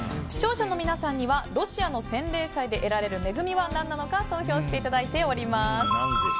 視聴者の皆さんにはロシアの洗礼祭で得られる恵みは何なのか投票していただいています。